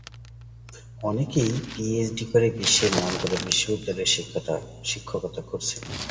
অনেকেই পিএইচডি করে বিশ্বের নামকরা বিশ্ববিদ্যালয়ের শিক্ষকতা করছেন।